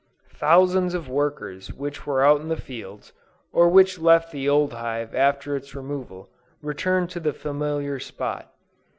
Thousands of workers which were out in the fields, or which left the old hive after its removal, returned to the familiar spot.